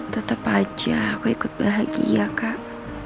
tetap aja aku ikut bahagia kak